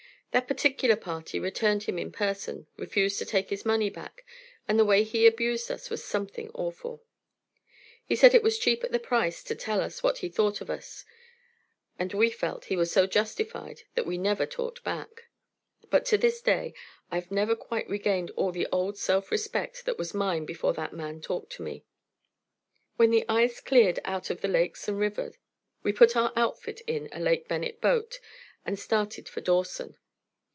That particular party returned him in person, refused to take his money back, and the way he abused us was something awful. He said it was cheap at the price to tell us what he thought of us; and we felt he was so justified that we never talked back. But to this day I've never quite regained all the old self respect that was mine before that man talked to me. When the ice cleared out of the lakes and river, we put our outfit in a Lake Bennet boat and started for Dawson.